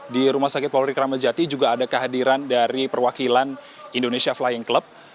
di rumah sakit polri kramajati juga ada kehadiran dari perwakilan indonesia flying club